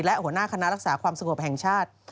และหัวหน้าคณะรักษาความสงบแห่งชาติ